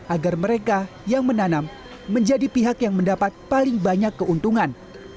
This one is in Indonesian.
agar mereka yang menanam menjadi pihak yang mendapat paling banyak keuntungan